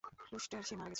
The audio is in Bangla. রুস্টার, সে মারা গেছে।